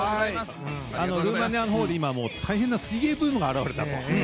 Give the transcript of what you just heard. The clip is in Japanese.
ルーマニアのほうでは大変な水泳ブームになったと。